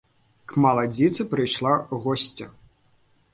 К маладзіцы прыйшла госця.